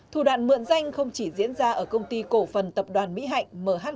thủ đoạn mượn danh không chỉ diễn ra ở công ty cổ phần tập đoàn mỹ hạnh mh